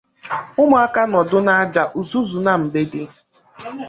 Ụmụaka nọdụ n’aja uzuzu na mgbede